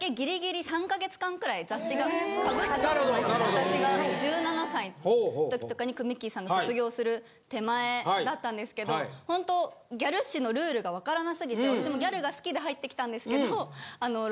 私が１７歳の時とかにくみっきーさんが卒業する手前だったんですけどほんとギャル誌のルールが分からなすぎて私もギャルが好きで入ってきたんですけど。